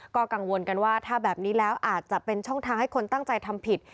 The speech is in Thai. ก็กังวลกันว่าถ้าแบบนี้แล้วอาจจะเป็นช่องทางให้คนตั้งใจทำผิด